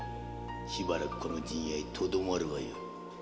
しばらくこの陣屋にとどまるがよい。